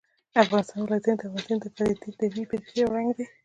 د افغانستان ولايتونه د افغانستان د طبیعي پدیدو یو رنګ دی.